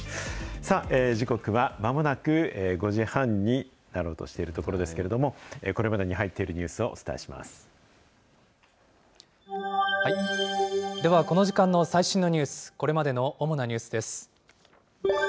さあ、時刻はまもなく５時半になろうとしているところですけれども、これまでに入っているニューでは、この時間の最新のニュース、これまでの主なニュースです。